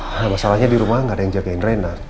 nah masalahnya dirumah gaada yang jagain reina